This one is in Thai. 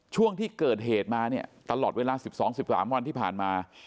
ช่วงที่เกิดเหตุมาเนี่ยตลอดเวลา๑๒๑๓วันที่ผ่านมา